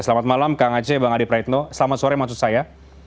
selamat malam kang aceh bang adi praitno selamat sore maksud saya